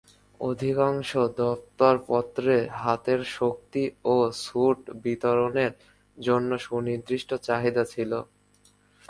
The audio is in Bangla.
অধিকাংশ দরপত্রে হাতের শক্তি ও সুট বিতরণের জন্য সুনির্দিষ্ট চাহিদা ছিল।